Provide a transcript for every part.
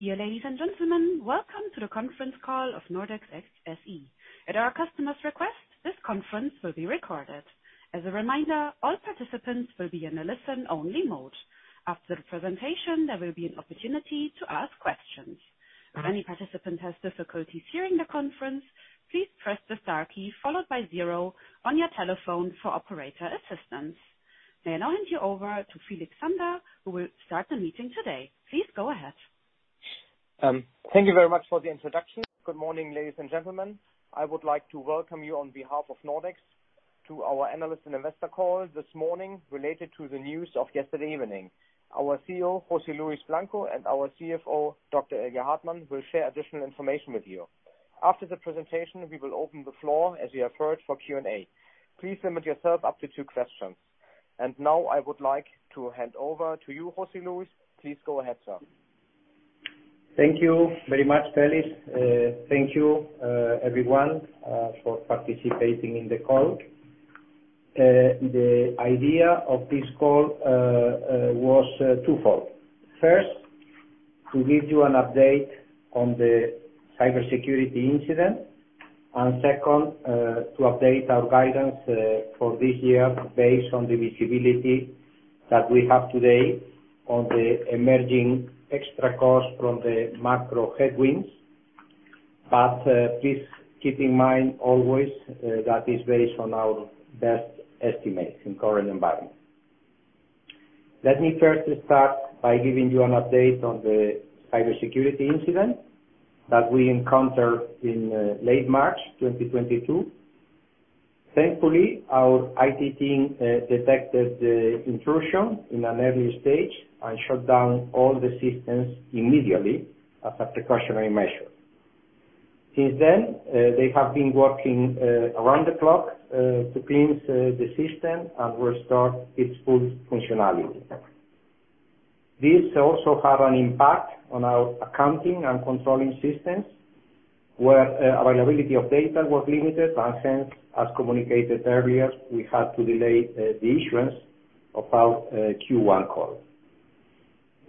Dear ladies and gentlemen, welcome to the conference call of Nordex SE. At our customer's request, this conference will be recorded. As a reminder, all participants will be in a listen only mode. After the presentation, there will be an opportunity to ask questions. If any participant has difficulties hearing the conference, please press the star key followed by zero on your telephone for operator assistance. May I hand you over to Felix Zander, who will start the meeting today. Please go ahead. Thank you very much for the introduction. Good morning, ladies and gentlemen. I would like to welcome you on behalf of Nordex to our analyst and investor call this morning related to the news of yesterday evening. Our CEO, José Luis Blanco, and our CFO, Dr. Ilya Hartmann, will share additional information with you. After the presentation, we will open the floor as you have heard for Q&A. Please limit yourself up to two questions. Now I would like to hand over to you, José Luis. Please go ahead, sir. Thank you very much, Felix. Thank you, everyone, for participating in the call. The idea of this call was twofold. First, to give you an update on the cybersecurity incident, and second, to update our guidance for this year based on the visibility that we have today on the emerging extra costs from the macro headwinds. Please keep in mind always that is based on our best estimates in current environment. Let me first start by giving you an update on the cybersecurity incident that we encountered in late March 2022. Thankfully, our IT team detected the intrusion in an early stage and shut down all the systems immediately as a precautionary measure. Since then, they have been working around the clock to cleanse the system and restore its full functionality. This also had an impact on our accounting and controlling systems, where availability of data was limited, and since, as communicated earlier, we had to delay the issuance of our Q1 call.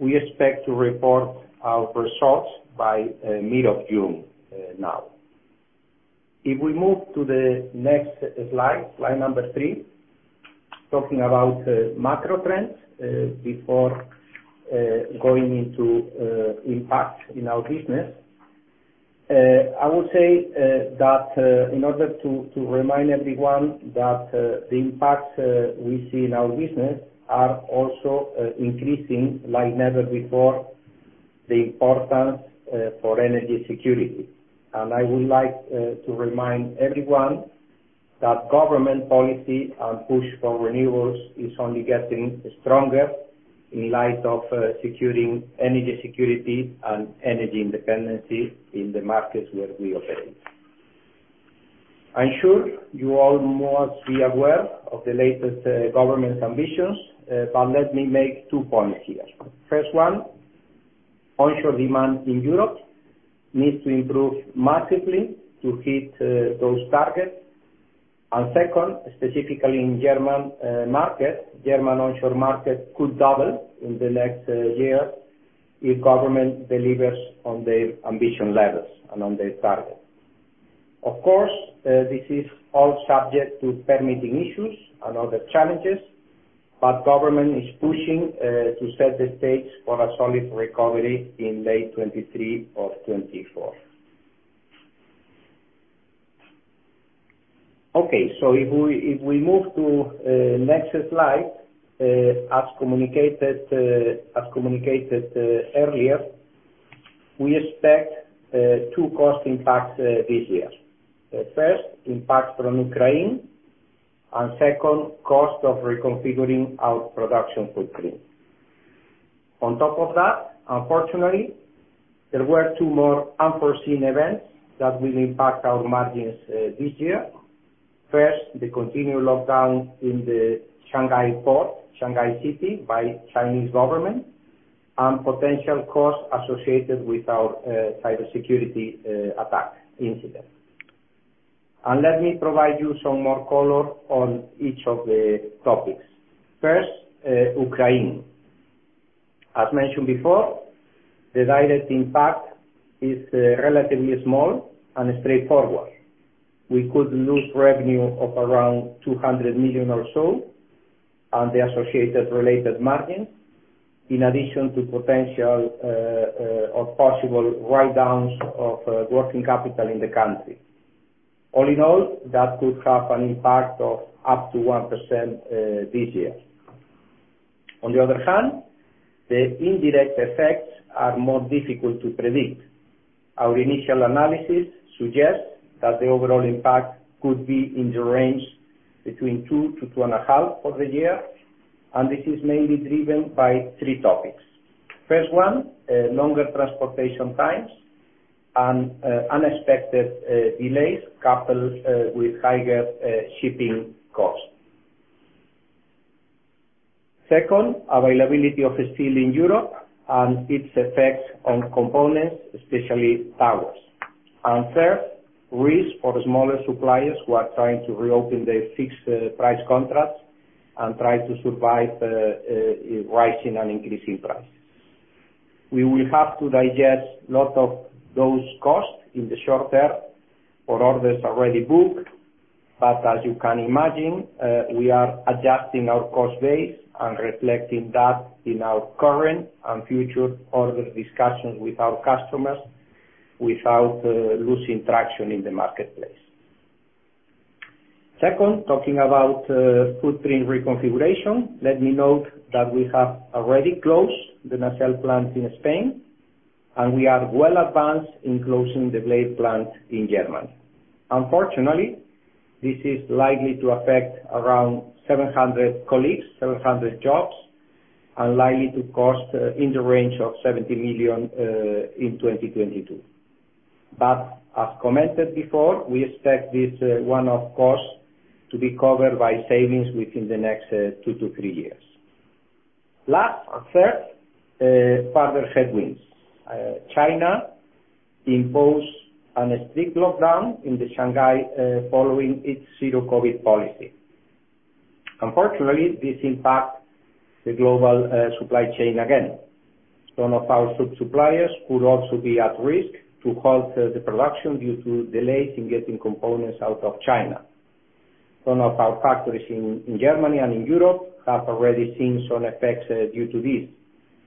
We expect to report our results by mid of June now. If we move to the next slide number three, talking about macro trends before going into impact in our business. I would say that in order to remind everyone that the impact we see in our business are also increasing like never before the importance for energy security. I would like to remind everyone that government policy and push for renewables is only getting stronger in light of securing energy security and energy independency in the markets where we operate. I'm sure you all must be aware of the latest government's ambitions, but let me make two points here. First one, onshore demand in Europe needs to improve massively to hit those targets. Second, specifically in German market, German onshore market could double in the next year if government delivers on the ambition levels and on the target. Of course, this is all subject to permitting issues and other challenges, but government is pushing to set the stage for a solid recovery in late 2023 or 2024. Okay. If we move to next slide, as communicated earlier, we expect two cost impacts this year. First, impact from Ukraine, and second, cost of reconfiguring our production footprint. On top of that, unfortunately, there were two more unforeseen events that will impact our margins this year. First, the continued lockdown in the Shanghai port, Shanghai City, by Chinese government, and potential costs associated with our cybersecurity attack incident. Let me provide you some more color on each of the topics. First, Ukraine. As mentioned before, the direct impact is relatively small and straightforward. We could lose revenue of around 200 million or so, and the associated related margins, in addition to potential or possible write-downs of working capital in the country. All in all, that could have an impact of up to 1% this year. On the other hand, the indirect effects are more difficult to predict. Our initial analysis suggests that the overall impact could be in the range between 2-2.5 of the year, and this is mainly driven by three topics. First one, longer transportation times and unexpected delays coupled with higher shipping costs. Second, availability of steel in Europe and its effects on components, especially towers. Third, risk for the smaller suppliers who are trying to reopen their fixed price contracts and try to survive rising and increasing price. We will have to digest a lot of those costs in the short term for orders already booked, but as you can imagine, we are adjusting our cost base and reflecting that in our current and future order discussions with our customers without losing traction in the marketplace. Second, talking about footprint reconfiguration, let me note that we have already closed the nacelle plant in Spain, and we are well advanced in closing the blade plant in Germany. Unfortunately, this is likely to affect around 700 colleagues, 700 jobs, and likely to cost in the range of 70 million in 2022. As commented before, we expect this one-off cost to be covered by savings within the next two to three years. Last, third, further headwinds. China imposed a strict lockdown in Shanghai following its zero-COVID policy. Unfortunately, this impacts the global supply chain again. Some of our sub-suppliers could also be at risk to halt the production due to delays in getting components out of China. Some of our factories in Germany and in Europe have already seen some effects due to this,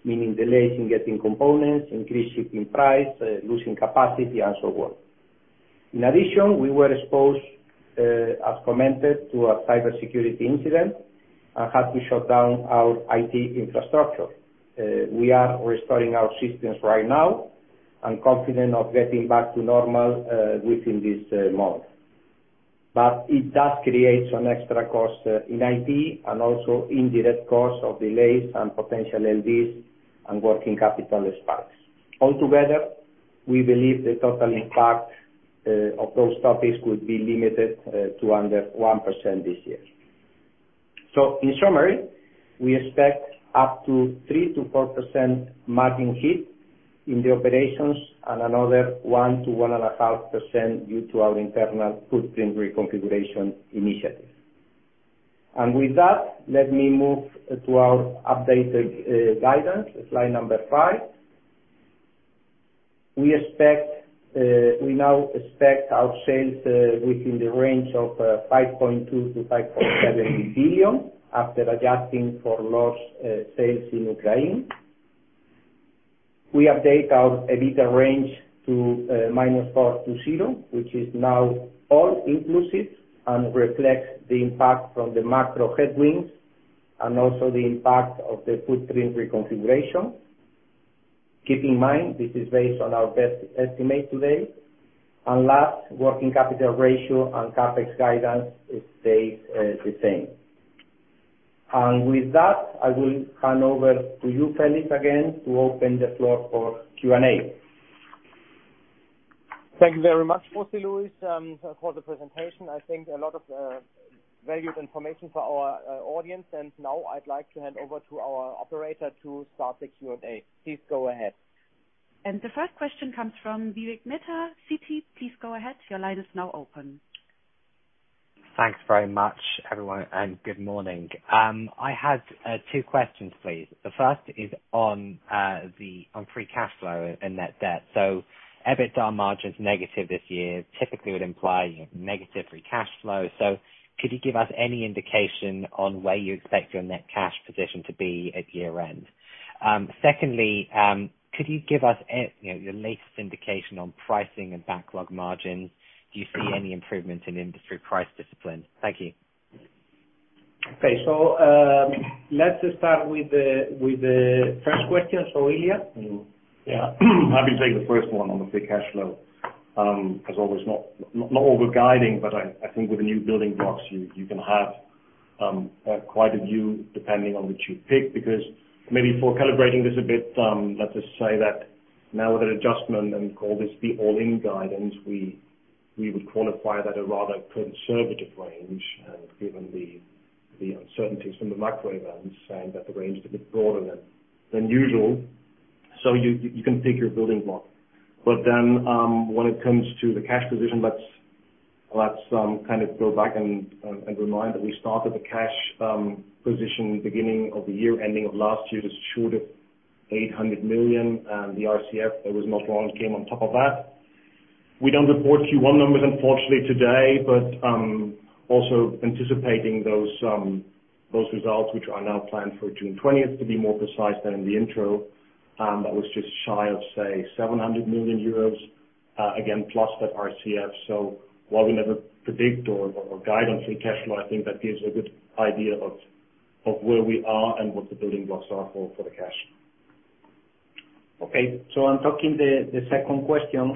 meaning delays in getting components, increased shipping price, losing capacity and so on. In addition, we were exposed, as commented to a cybersecurity incident and had to shut down our IT infrastructure. We are restoring our systems right now and confident of getting back to normal within this month. It does create some extra cost in IT and also indirect costs of delays and potential LDs and working capital spikes. Altogether, we believe the total impact of those topics could be limited to under 1% this year. In summary, we expect up to 3%-4% margin hit in the operations and another 1%-1.5% due to our internal footprint reconfiguration initiative. With that, let me move to our updated guidance, slide number five. We now expect our sales within the range of 5.2 billion-5.7 billion after adjusting for lost sales in Ukraine. We update our EBITDA range to -4-0, which is now all inclusive and reflects the impact from the macro headwinds and also the impact of the footprint reconfiguration. Keep in mind, this is based on our best estimate today. Last, working capital ratio and CapEx guidance stays the same. With that, I will hand over to you, Felix, again to open the floor for Q&A. Thank you very much, José Luis, for the presentation. I think a lot of valuable information for our audience. Now I'd like to hand over to our operator to start the Q&A. Please go ahead. The first question comes from Vivek Midha, Citigroup. Please go ahead. Your line is now open. Thanks very much, everyone, and good morning. I had two questions, please. The first is on free cash flow and net debt. EBITDA margin's negative this year typically would imply negative free cash flow. Could you give us any indication on where you expect your net cash position to be at year-end? Secondly, could you give us, you know, your latest indication on pricing and backlog margins? Do you see any improvements in industry price discipline? Thank you. Okay. Let's start with the first question. Ilya? Yeah. Happy to take the first one on the free cash flow. As always, not over-guiding, but I think with the new building blocks you can have quite a view depending on which you pick, because maybe for calibrating this a bit, let's just say that now with an adjustment and call this the all-in guidance, we would quantify that a rather conservative range, and given the uncertainties in the macro environment, saying that the range is a bit broader than usual. You can pick your building block. When it comes to the cash position, let's kind of go back and remind that we started the cash position beginning of the year, ending of last year just short of 800 million, and the RCF that was not long came on top of that. We don't report Q1 numbers unfortunately today, but also anticipating those results which are now planned for June 20th, to be more precise than in the intro, that was just shy of, say, 700 million euros, again, plus that RCF. While we never predict or guide on free cash flow, I think that gives a good idea of where we are and what the building blocks are for the cash. Onto the second question,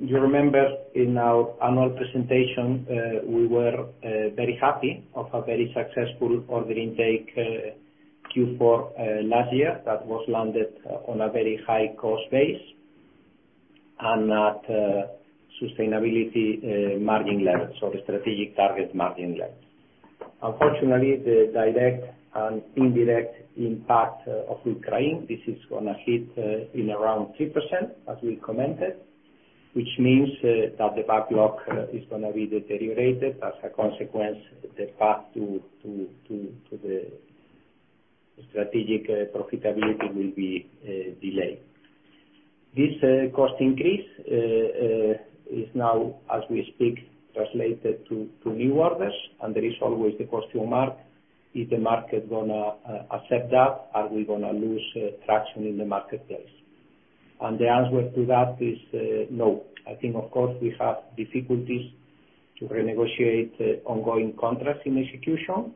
you remember in our annual presentation we were very happy with a very successful order intake, Q4 last year that was landed on a very high-cost base at sustainable margin levels or strategic target margin levels. Unfortunately, the direct and indirect impact of Ukraine, this is gonna hit in around 3%, as we commented, which means that the backlog is gonna be deteriorated. As a consequence, the path to the strategic profitability will be delayed. This cost increase is now as we speak translated to new orders, and there is always the cost-to-market. Is the market gonna accept that? Are we gonna lose traction in the marketplace? The answer to that is no. I think, of course, we have difficulties to renegotiate the ongoing contracts in execution,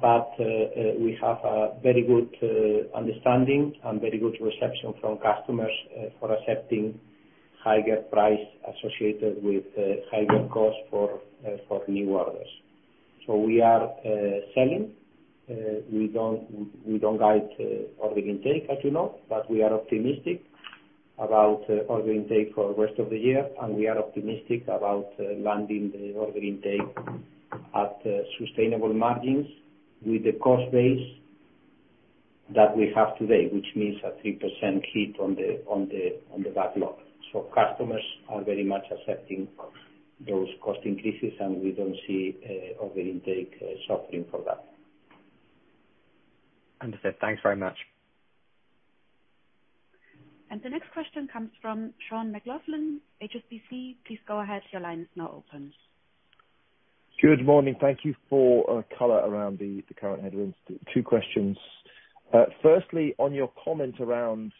but we have a very good understanding and very good reception from customers for accepting higher price associated with higher costs for new orders. We are selling. We don't guide order intake, as you know, but we are optimistic about order intake for rest of the year, and we are optimistic about landing the order intake at sustainable margins with the cost base that we have today, which means a 3% hit on the backlog. Customers are very much accepting those cost increases, and we don't see order intake suffering from that. Understood. Thanks very much. The next question comes from Sean McLoughlin, HSBC. Please go ahead. Your line is now open. Good morning. Thank you for color around the current headwinds. Two questions. Firstly, on your comment around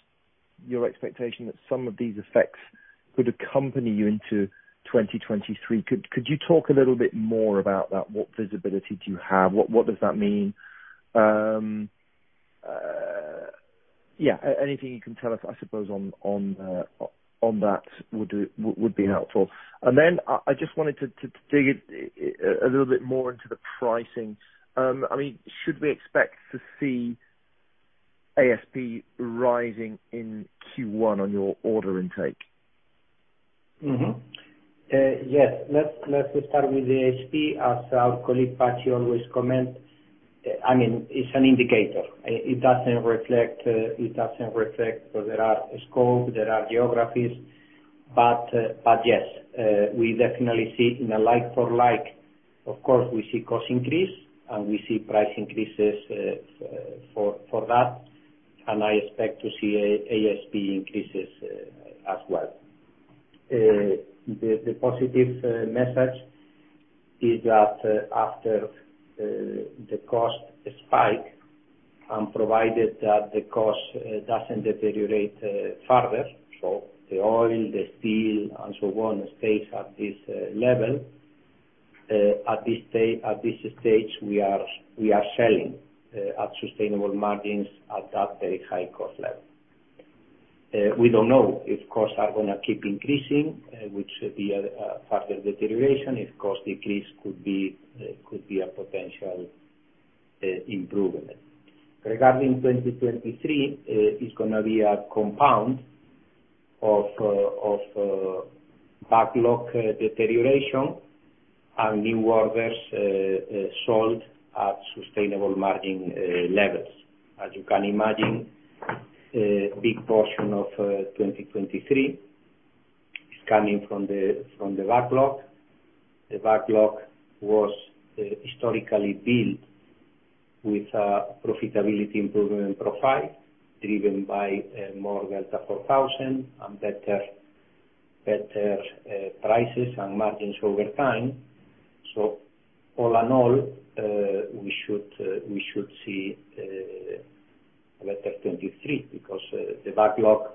your expectation that some of these effects could accompany you into 2023, could you talk a little bit more about that? What visibility do you have? What does that mean? Anything you can tell us, I suppose on that would be helpful. I just wanted to dig a little bit more into the pricing. I mean, should we expect to see ASP rising in Q1 on your order intake? Yes. Let's just start with the ASP. As our colleague, Patty, always comment, I mean, it's an indicator. It doesn't reflect, so there are scope, there are geographies. We definitely see it in a like for like, of course, we see cost increase, and we see price increases, for that, and I expect to see ASP increases, as well. The positive message is that, after the cost spike, and provided that the cost doesn't deteriorate further, so the oil, the steel, and so on, stays at this level. At this stage, we are selling at sustainable margins at that very high cost level. We don't know if costs are gonna keep increasing, which should be a further deterioration. If costs decrease could be a potential improvement. Regarding 2023, it's gonna be a compound of backlog deterioration and new orders sold at sustainable margin levels. As you can imagine, a big portion of 2023 is coming from the backlog. The backlog was historically built with a profitability improvement profile driven by more Delta4000 and better prices and margins over time. All in all, we should see a better 2023 because the backlog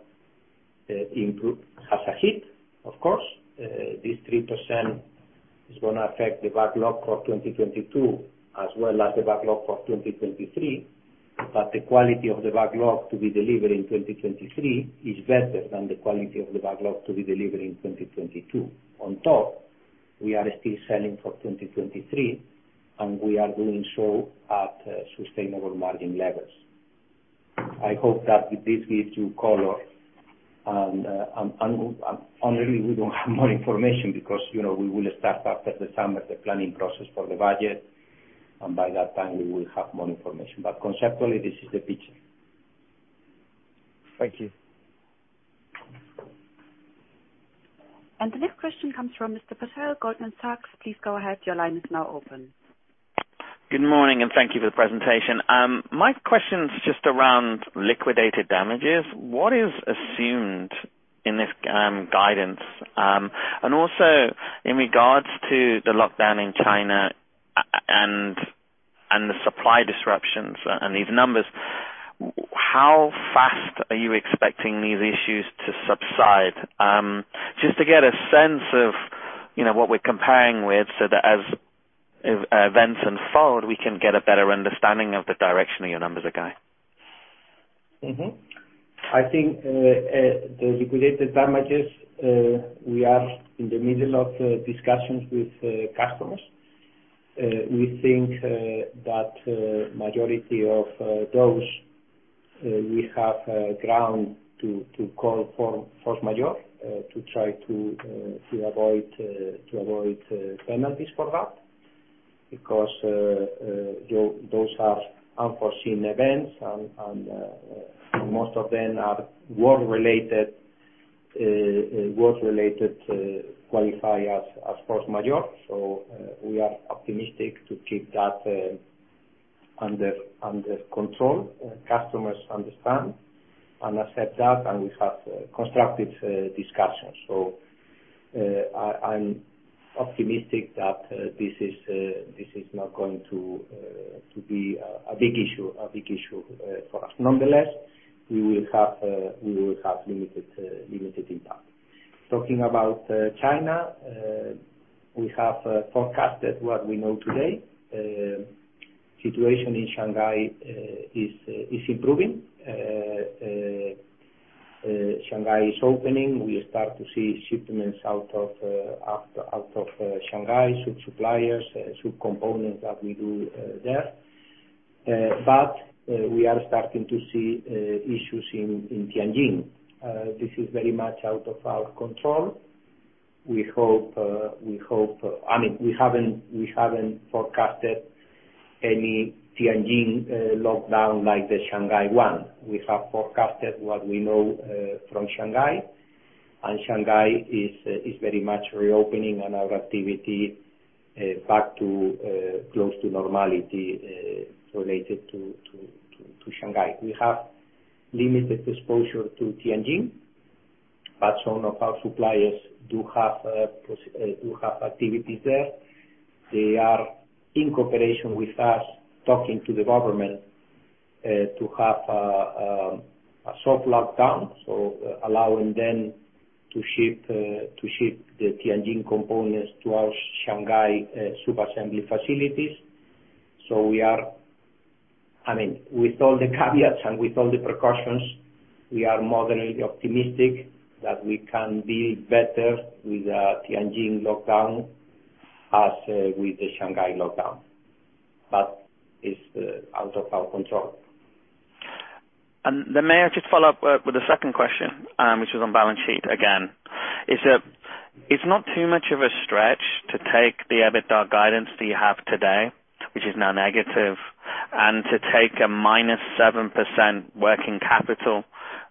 improvement has hit, of course. This 3% is gonna affect the backlog for 2022 as well as the backlog for 2023. The quality of the backlog to be delivered in 2023 is better than the quality of the backlog to be delivered in 2022. On top, we are still selling for 2023, and we are doing so at sustainable margin levels. I hope that this gives you color. Really we don't have more information because, you know, we will start after the summer the planning process for the budget, and by that time we will have more information. Conceptually, this is the picture. Thank you. The next question comes from Ajay Patel, Goldman Sachs. Please go ahead. Your line is now open. Good morning, and thank you for the presentation. My question is just around liquidated damages. What is assumed in this guidance? Also in regards to the lockdown in China and the supply disruptions and these numbers, how fast are you expecting these issues to subside? Just to get a sense of, you know, what we're comparing with so that as events unfold, we can get a better understanding of the direction that your numbers are going. I think the liquidated damages we are in the middle of discussions with customers. We think that majority of those we have grounds to call for force majeure to try to avoid penalties for that because those are unforeseen events and most of them are work-related to qualify as force majeure. We are optimistic to keep that under control. Customers understand and accept that, and we have constructive discussions. I'm optimistic that this is not going to be a big issue for us. Nonetheless, we will have limited impact. Talking about China, we have forecasted what we know today. Situation in Shanghai is improving. Shanghai is opening. We start to see shipments out of Shanghai, through suppliers, through components that we do there. We are starting to see issues in Tianjin. This is very much out of our control. We hope. I mean, we haven't forecasted any Tianjin lockdown like the Shanghai one. We have forecasted what we know from Shanghai, and Shanghai is very much reopening and our activity back to close to normality related to Shanghai. We have limited exposure to Tianjin, but some of our suppliers do have activities there. They are in cooperation with us, talking to the government, to have a soft lockdown, so allowing them to ship the Tianjin components to our Shanghai sub-assembly facilities. We are, I mean, with all the caveats and with all the precautions, moderately optimistic that we can deal better with the Tianjin lockdown as with the Shanghai lockdown. It's out of our control. May I just follow up with a second question, which is on balance sheet again. Is that, it's not too much of a stretch to take the EBITDA guidance that you have today, which is now negative, and to take a - 7% working capital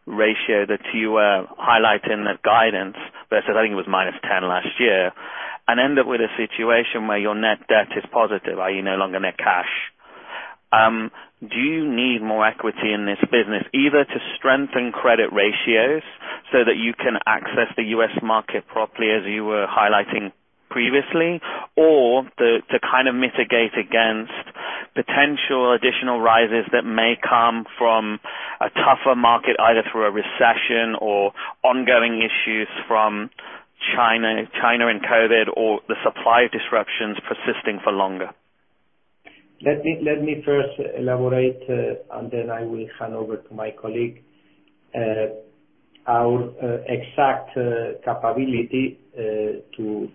ratio that you highlighted in the guidance versus I think it was - 10% last year, and end up with a situation where your net debt is positive, are you no longer net cash? Do you need more equity in this business, either to strengthen credit ratios so that you can access the U.S. market properly as you were highlighting previously, or to kind of mitigate against potential additional rises that may come from a tougher market, either through a recession or ongoing issues from China and COVID or the supply disruptions persisting for longer? Let me first elaborate, and then I will hand over to my colleague. Our exact capability to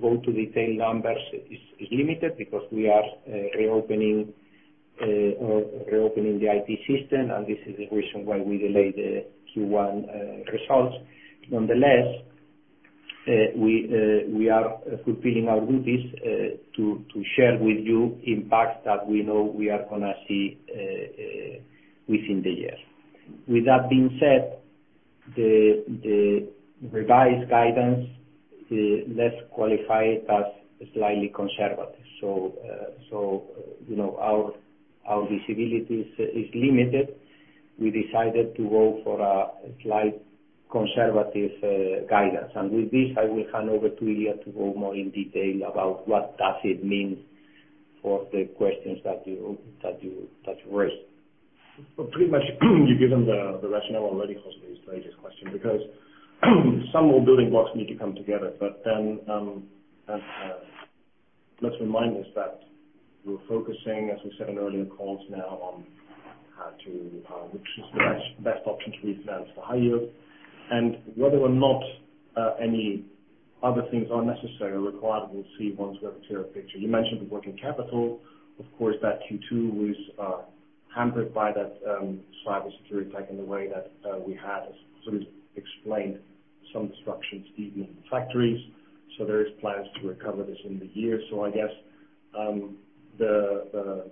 go to detailed numbers is limited because we are reopening the IT system, and this is the reason why we delayed the Q1 results. Nonetheless, we are fulfilling our duties to share with you impacts that we know we are gonna see within the year. With that being said, the revised guidance, let's qualify it as slightly conservative. You know, our visibility is limited. We decided to go for a slight conservative guidance. With this, I will hand over to Ilya to go more in detail about what does it mean for the questions that you raised. Well, pretty much you've given the rationale already, José, to answer this question because some more building blocks need to come together. Let's remind us that we're focusing, as we said in earlier calls now, on which is the best option to refinance the high yield. Whether or not any other things are necessary or required, we'll see once we have a clearer picture. You mentioned the working capital. Of course, that Q2 was hampered by that cybersecurity attack in the way that we had as sort of explained some disruptions even in factories. There are plans to recover this in the year. I guess the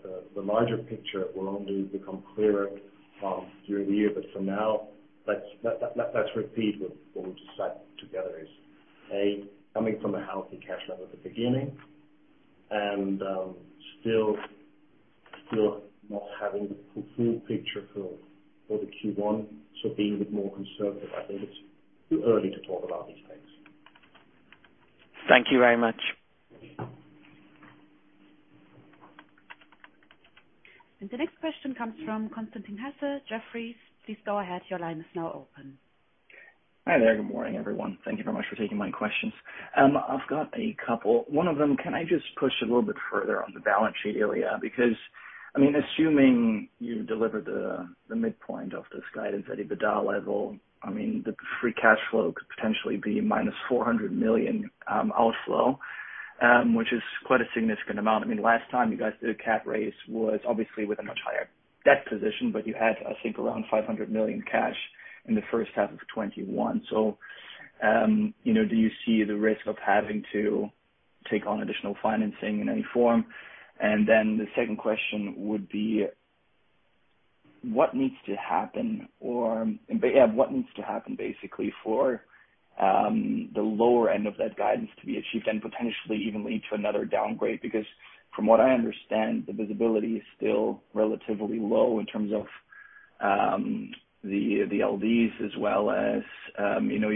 larger picture will only become clearer through the year. For now, let's repeat what we just said together is, A, coming from a healthy cash level at the beginning, and still not having the full picture for the Q1. Being a bit more conservative, I think it's too early to talk about these things. Thank you very much. The next question comes from Constantin Hesse, Jefferies. Please go ahead. Your line is now open. Hi there. Good morning, everyone. Thank you very much for taking my questions. I've got a couple. One of them, can I just push a little bit further on the balance sheet area? BecauseI mean, assuming you deliver the midpoint of this guidance at EBITDA level, I mean, the free cash flow could potentially be -400 million outflow, which is quite a significant amount. I mean, last time you guys did a capital raise was obviously with a much higher debt position, but you had, I think, around 500 million cash in the first half of 2021. You know, do you see the risk of having to take on additional financing in any form? The second question would be, what needs to happen basically for the lower end of that guidance to be achieved and potentially even lead to another downgrade? Because from what I understand, the visibility is still relatively low in terms of, the LDs as well as, you know,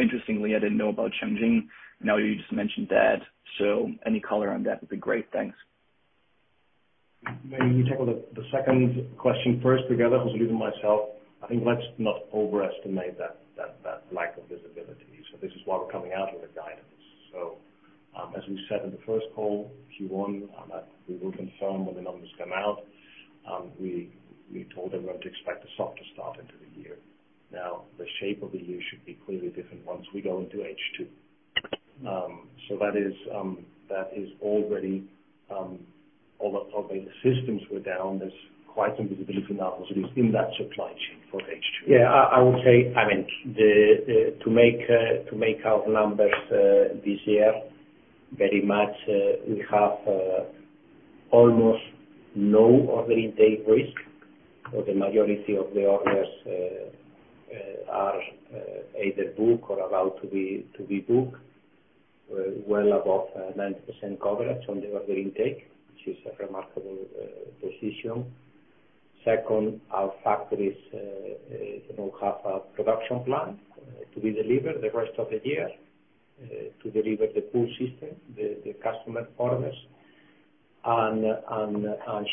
interestingly, I didn't know about Tianjin, now you just mentioned that. Any color on that would be great. Thanks. Maybe we tackle the second question first together, José Luis and myself. I think let's not overestimate that lack of visibility. This is why we're coming out with the guidance. As we said in the first call, Q1, we will confirm when the numbers come out, we told everyone to expect a softer start into the year. Now, the shape of the year should be clearly different once we go into H2. That is already all the systems were down. There's quite some visibility now, José Luis, in that supply chain for H2. I will say, I mean, to make our numbers this year very much, we have almost no order intake risk, so the majority of the orders are either booked or about to be booked, well above 90% coverage on the order intake, which is a remarkable position. Second, our factories, you know, have a production plan to be delivered the rest of the year to deliver the full system, the customer orders.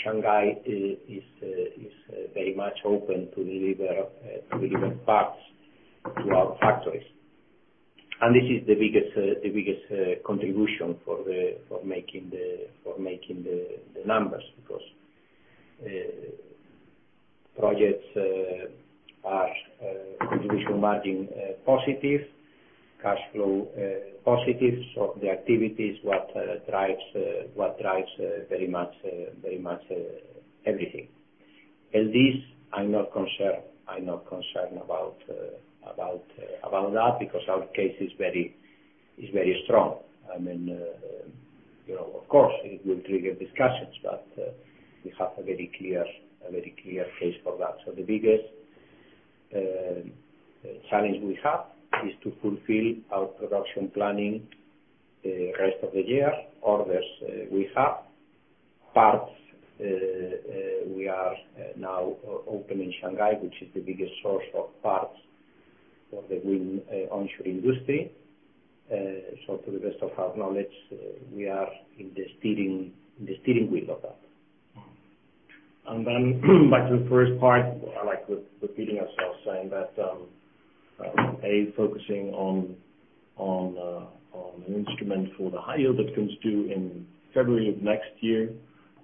Shanghai is very much open to deliver parts to our factories. This is the biggest contribution for the For making the numbers because projects are contribution margin positive, cash flow positive, so the activity is what drives very much everything. LDs, I'm not concerned about that because our case is very strong. I mean, you know, of course, it will trigger discussions, but we have a very clear case for that. So the biggest challenge we have is to fulfill our production planning the rest of the year, orders we have. Parts, we are now open in Shanghai, which is the biggest source of parts for the wind onshore industry. So to the best of our knowledge, we are in the steering wheel of that. Back to the first part, I like repeating ourselves saying that, a focusing on an instrument for the high yield that comes due in February of next year,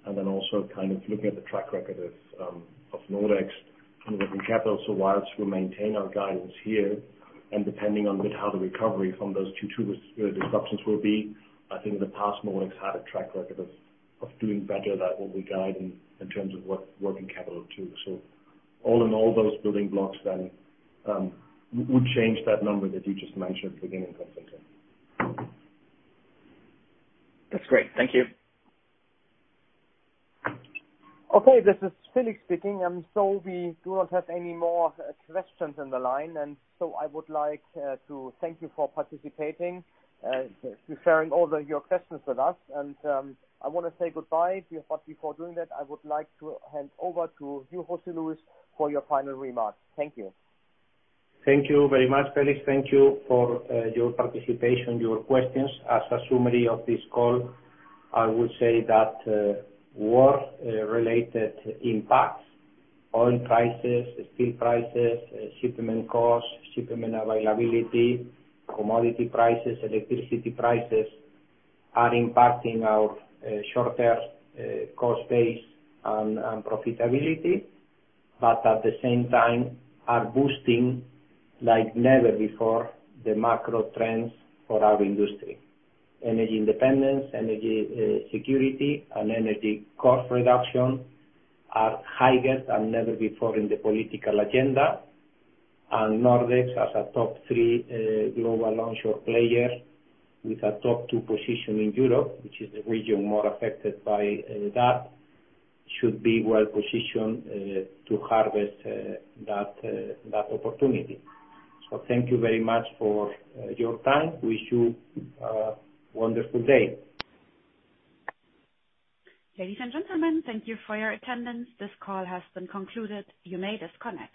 and then also kind of looking at the track record of Nordex working capital. While we maintain our guidance here, and depending on a bit how the recovery from those two major disruptions will be, I think in the past, Nordex had a track record of doing better than what we guide in terms of working capital too. All in all those building blocks then would change that number that you just mentioned for the income statement. That's great. Thank you. Okay. This is Felix speaking. We do not have any more questions on the line. I would like to thank you for participating, sharing your questions with us. I wanna say goodbye. Before doing that, I would like to hand over to you, José Luis, for your final remarks. Thank you. Thank you very much, Felix. Thank you for your participation, your questions. As a summary of this call, I would say that war related impacts on prices, steel prices, shipment costs, shipment availability, commodity prices, electricity prices, are impacting our short-term cost base and profitability, but at the same time are boosting like never before the macro trends for our industry. Energy independence, energy security, and energy cost reduction are highest and never before in the political agenda. Nordex as a top three global onshore player with a top two position in Europe, which is the region more affected by that, should be well positioned to harvest that opportunity. Thank you very much for your time. Wish you a wonderful day. Ladies and gentlemen, thank you for your attendance. This call has been concluded. You may disconnect.